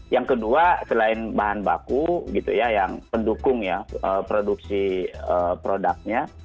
yang kedua selain bahan baku gitu ya yang pendukung ya produksi produknya